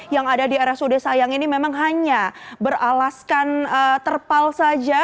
yang ada di rsud sayang ini memang hanya beralaskan terpal saja